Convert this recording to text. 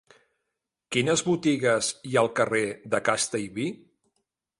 Quines botigues hi ha al carrer de Castellví?